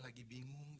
jadi bangun begini